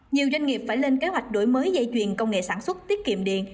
nhiều doanh nghiệp phải lên kế hoạch đổi mới dây chuyền công nghệ sản xuất tiết kiệm điện